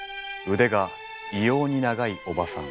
腕が異様に長いおばさん。